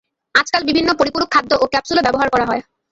আজকাল বিভিন্ন পরিপূরক খাদ্য ও ক্যাপসুলও ব্যবহার করা হয়।